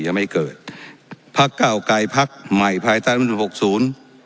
ยังไม่เกิดพักเก้าไกรพักใหม่ภายใต้รัฐมนุนหกศูนย์